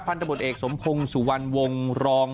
พันตะบหนต์เอกสมพงศ์สุวรรณวงศ์รอง